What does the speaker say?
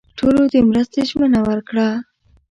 ټولو د مرستې ژمنه ورکړه.